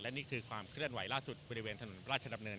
นี่คือความเคลื่อนไหวล่าสุดบริเวณถนนราชดำเนิน